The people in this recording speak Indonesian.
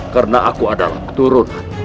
karena aku adalah keturunan